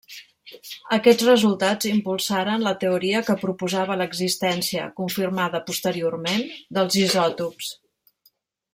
Aquests resultats impulsaren la teoria que proposava l'existència, confirmada posteriorment, dels isòtops.